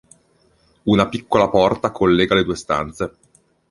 Una piccola porta collega le due stanze.